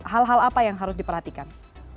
hal hal apa yang harus diperhatikan